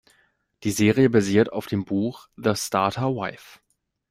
Die Serie basiert auf dem Buch "The Starter Wife".